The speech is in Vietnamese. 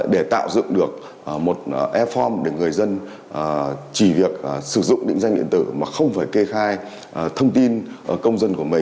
để tạo dựng được một e form để người dân chỉ việc sử dụng định danh điện tử mà không phải kê khai thông tin công dân